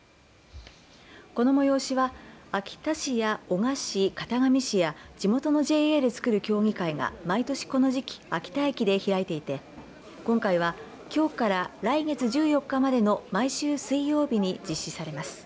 この催しは秋田市や男鹿市、潟上市や地元のＪＡで作る協議会が毎年この時期秋田駅で開いていて今回はきょうから来月１４日までの毎週水曜日に実施されます。